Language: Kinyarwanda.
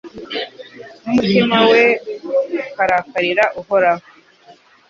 n’umutima we ukarakarira Uhoraho